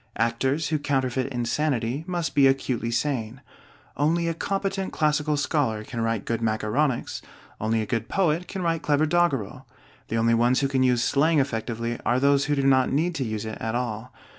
Actors who counterfeit insanity must be acutely sane. Only a competent classical scholar can write good macaronics; only a good poet can write clever doggerel. The only ones who can use slang effectively are those who do not need to use it at all.